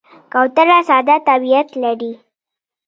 کوتره ساده طبیعت لري.